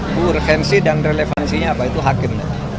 itu kan keuarefensi dan relevansinya apa itu hakim